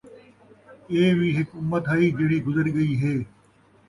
۔ اِیہ we ہِک اُمت ہئی جِہڑی گزر ڳئی ہے،